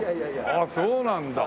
ああそうなんだ。